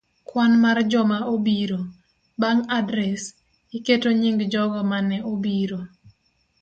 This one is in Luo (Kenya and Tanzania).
Kwan mar Joma obiro. Bang' adres, iketo nying jogo ma ne obiro